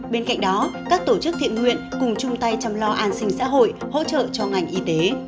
bên cạnh đó các tổ chức thiện nguyện cùng chung tay chăm lo an sinh xã hội hỗ trợ cho ngành y tế